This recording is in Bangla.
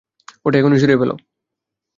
ওটা এখুনি সরিয়ে ফেল।